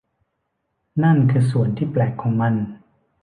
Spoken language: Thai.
นั่นคือส่วนที่แปลกของมัน